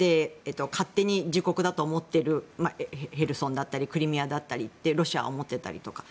勝手に自国だと思っているへルソンだったりクリミアだったりロシアは思っていたりとか。